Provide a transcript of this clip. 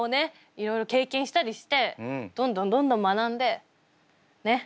いろいろ経験したりしてどんどんどんどん学んでねっ。